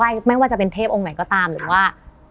ไม่ไม่ว่าจะเป็นเทพองค์ไหนก็ตามหรือว่า